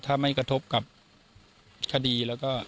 ถ้าไม่กระทบกับคดี